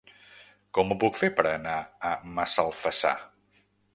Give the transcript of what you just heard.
Com ho puc fer per anar a Massalfassar?